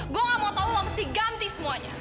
gue nggak mau tahu lu mesti ganti semuanya